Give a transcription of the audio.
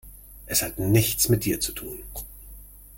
Es hat nichts mit dir zu tun.